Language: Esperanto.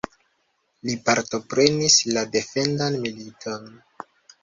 Li partoprenis la defendan militon.